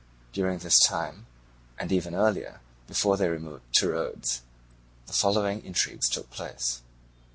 During this time, and even earlier, before they removed to Rhodes, the following intrigues took place.